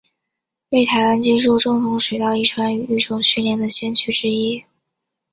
为台湾接受正统水稻遗传与育种训练的先驱之一。